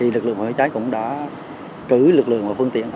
lực lượng phòng cháy cháy cũng đã cử lực lượng và phương tiện